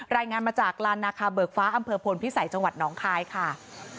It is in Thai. รายงานมาจากลานนาคาเบิกฟ้าอำเภอพลพิสัยจังหวัดน้องคายค่ะ